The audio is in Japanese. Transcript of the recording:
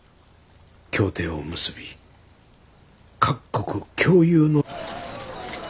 協定を結び各国共有の。